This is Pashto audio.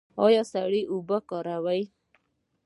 ایا سړې اوبه کاروئ؟